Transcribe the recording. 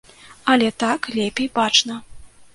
Але так лепей бачна.